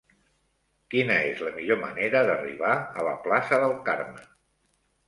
Quina és la millor manera d'arribar a la plaça del Carme?